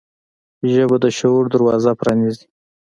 ژبه د شعور دروازه پرانیزي